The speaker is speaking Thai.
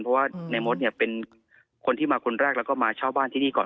เพราะว่าในมดเนี่ยเป็นคนที่มาคนแรกแล้วก็มาเช่าบ้านที่นี่ก่อน